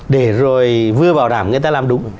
để rồi vừa bảo đảm người ta làm đúng